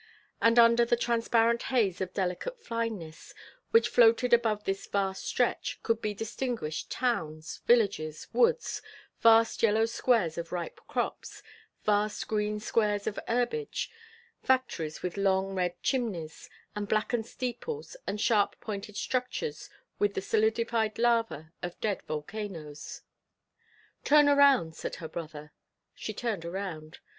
And under the transparent haze of delicate fineness, which floated above this vast stretch, could be distinguished towns, villages, woods, vast yellow squares of ripe crops, vast green squares of herbage, factories with long, red chimneys and blackened steeples and sharp pointed structures, with the solidified lava of dead volcanoes. "Turn around," said her brother. She turned around.